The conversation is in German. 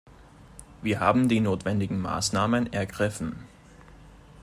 Wir haben die notwenigen Maßnahmen ergriffen.